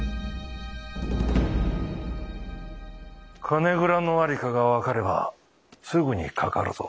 金蔵の在りかが分かればすぐにかかるぞ。